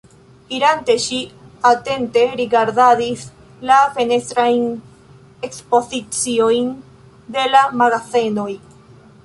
Irante, ŝi atente rigardadis la fenestrajn ekspoziciojn de la magazenoj.